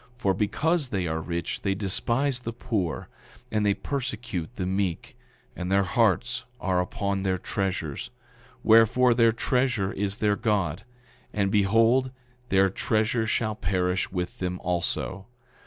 For because they are rich they despise the poor, and they persecute the meek, and their hearts are upon their treasures; wherefore, their treasure is their God. And behold, their treasure shall perish with them also.